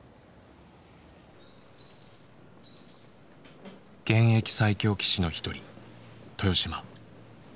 現役最強棋士の一人豊島。